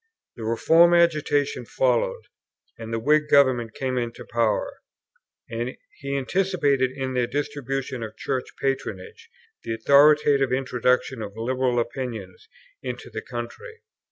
The Reform agitation followed, and the Whig Government came into power; and he anticipated in their distribution of Church patronage the authoritative introduction of liberal opinions into the country.